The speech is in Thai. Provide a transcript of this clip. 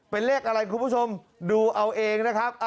เป็นเลขอะไรคุณผู้ชมดูเอาเองนะครับ